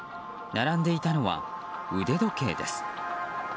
並んでいたのは腕時計です。